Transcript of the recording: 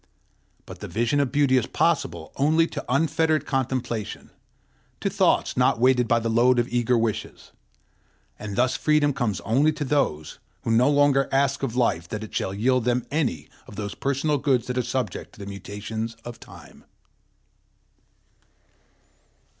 But the vision of beauty is possible only to unfettered contemplation, to thoughts not weighted by the load of eager wishes; and thus Freedom comes only to those who no longer ask of life that it shall yield them any of those personal goods that are subject to the mutations of Time.